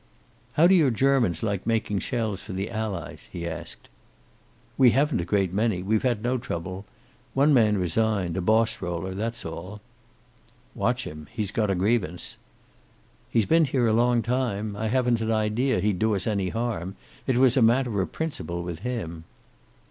"How do your Germans like making shells for the Allies?" he asked. "We haven't a great many. We've had no trouble. One man resigned a boss roller. That's all." "Watch him. He's got a grievance." "He's been here a long time. I haven't an idea he'd do us any harm. It was a matter of principle with him."